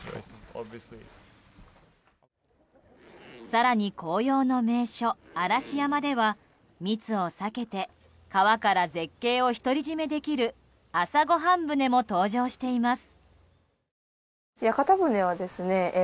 更に、紅葉の名所・嵐山では密を避けて川から絶景を独り占めできる朝ごはん舟も登場しています。